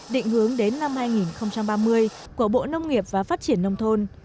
định hướng đến năm hai nghìn ba mươi của bộ nông nghiệp và phát triển nông thôn